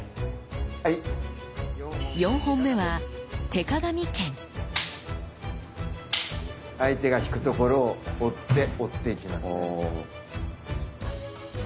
４本目は相手が引くところを追って追っていきますね。